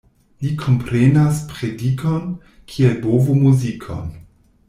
Li komprenas predikon, kiel bovo muzikon.